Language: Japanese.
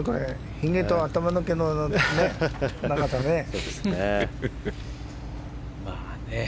ひげと、頭の毛の長さね。